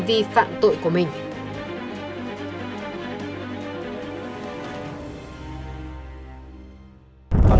để tâm tâm